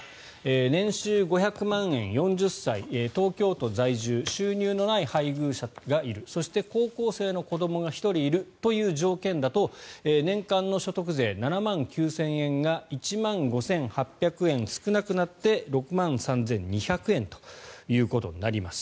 年収５００万円、４０歳東京都在住収入のない配偶者がいるそして高校生の子どもが１人いるという条件だと年間の所得税７万９０００円が１万５８００円少なくなって６万３２００円となります。